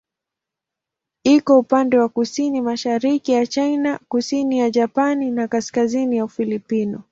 Iko upande wa kusini-mashariki ya China, kusini ya Japani na kaskazini ya Ufilipino.